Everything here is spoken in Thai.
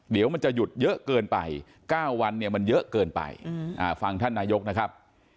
เดี๋ยวมันจะหยุดเยอะเกินไป๙วันเนี่ยมันเยอะเกินไปฟังท่านนายกนะครับ